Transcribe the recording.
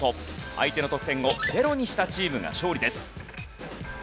相手の得点を０にしたチームが勝利です。